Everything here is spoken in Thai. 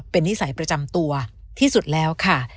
เป็นนิสัยประจำตัวที่สุดแล้วค่ะ